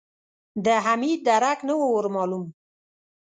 د حميد درک نه و ور مالوم.